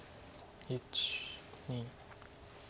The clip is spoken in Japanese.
１２。